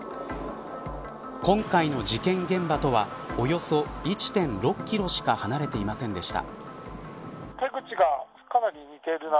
今回の事件現場とはおよそ１．６キロしか離れていませんでした。